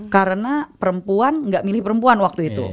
karena perempuan nggak milih perempuan waktu itu